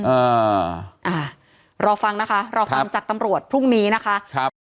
อ่าอ่ารอฟังนะคะรอฟังจากตำรวจพรุ่งนี้นะคะครับ